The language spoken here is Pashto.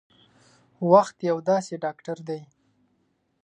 وخت یو داسې ډاکټر دی